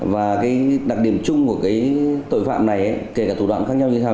và đặc điểm chung của tội phạm này kể cả thủ đoạn khác nhau như thế nào